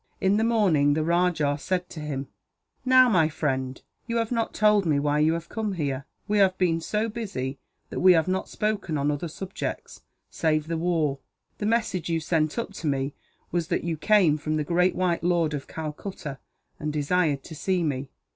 In the morning, the rajah said to him: "Now, my friend, you have not told me why you have come here. We have been so busy that we have not spoken on other subjects, save the war. The message you sent up to me was that you came from the great white lord of Calcutta, and desired to see me.